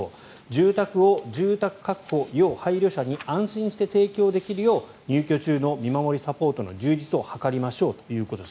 住宅を住宅確保要配慮者に安心して提供できるよう入居中の見守りサポートの充実を図りましょうということです。